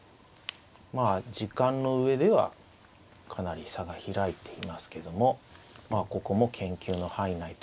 まあ時間の上ではかなり差が開いていますけどもまあここも研究の範囲内ということでしょう。